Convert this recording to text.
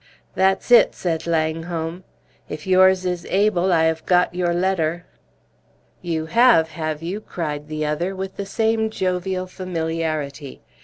"That's it," said Langholm; "if yours is Abel, I have got your letter." "You have, have you?" cried the other, with the same jovial familiarity.